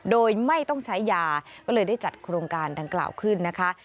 โดยไม่ต้องใช้ยาก็เลยได้จัดโครงการดังกล่าวขึ้นนะคะ